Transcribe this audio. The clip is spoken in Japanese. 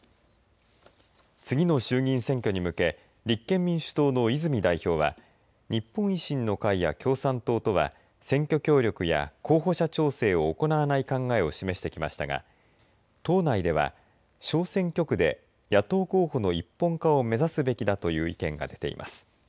次の衆議院選挙に向け立憲民主党の泉代表は日本維新の会や共産党とは選挙協力や候補者調整を行わない考えを示してきましたが党内では小選挙区で野党候補の一本化を目指すべきだという意見が出ています。